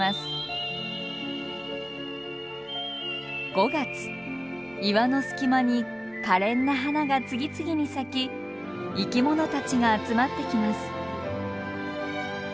５月岩の隙間にかれんな花が次々に咲き生きものたちが集まってきます。